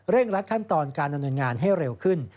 รัดขั้นตอนการดำเนินงานให้เร็วขึ้น